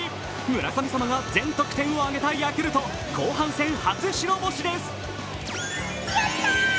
村神様が全得点を挙げたヤクルト、後半戦初白星です。